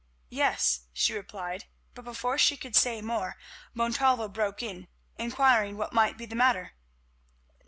"Yes," she replied, but before she could say more Montalvo broke in, inquiring what might be the matter.